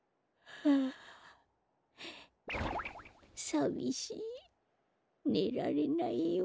さみしいねられないよ。